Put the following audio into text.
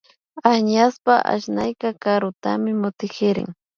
Añashpa asnayka karutami mutkirin